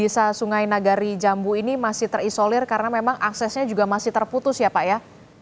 desa sungai nagari jambu ini masih terisolir karena memang aksesnya juga masih terputus ya pak ya